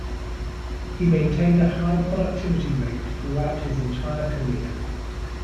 He maintained a high productivity rate throughout his entire career.